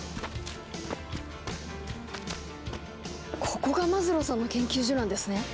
ここがマズローさんの研究所なんですね。